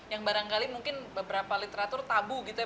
yang barangkali mungkin beberapa literatur tabu gitu ya